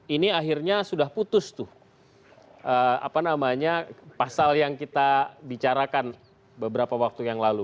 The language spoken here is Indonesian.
ini akhirnya sudah putus tuh apa namanya pasal yang kita bicarakan beberapa waktu yang lalu